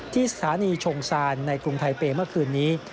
ที่สถานีชงซานในกรุงไทเปย์เมื่อคืนนี้